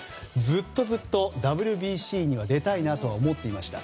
ずっとずっとＷＢＣには出たいなとは思っていました。